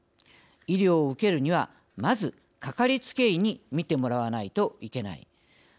医療を受けるにはまず、かかりつけ医に診てもらわないといけない。